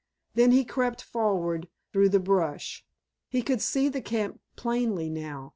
Then he crept forward through the brush. He could see the camp plainly now.